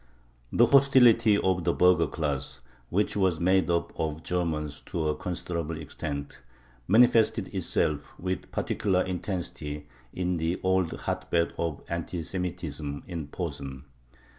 The hostility of the burgher class, which was made up of Germans to a considerable extent, manifested itself with particular intensity in the old hotbed of anti Semitism, in Posen.